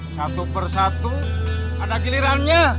satu persatu ada gilirannya